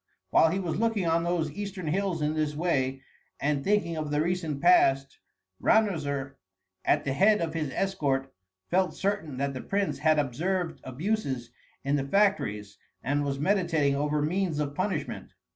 While he was looking on those eastern hills in this way, and thinking of the recent past, Ranuzer at the head of his escort felt certain that the prince had observed abuses in the factories and was meditating over means of punishment.